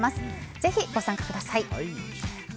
ぜひご参加ください。